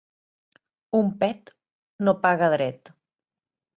Un pet no paga dret.